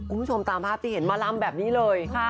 คุณผู้ชมตามภาพที่เห็นมาลำแบบนี้เลย